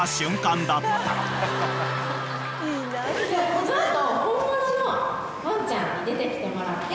この後。